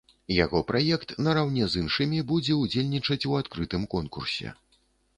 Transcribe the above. Яго праект нараўне з іншымі будзе ўдзельнічаць у адкрытым конкурсе.